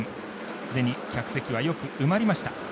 すでに客席は埋まりました。